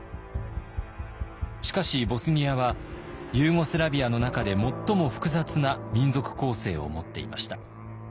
しかしボスニアはユーゴスラビアの中で最も複雑な民族構成を持っていました。